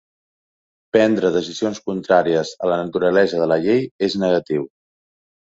Prendre decisions contràries a la naturalesa de la llei és negatiu.